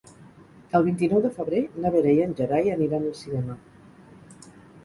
El vint-i-nou de febrer na Vera i en Gerai aniran al cinema.